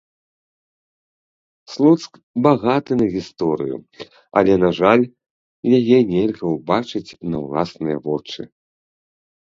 Слуцк багаты на гісторыю, але, на жаль, яе нельга ўбачыць на ўласныя вочы.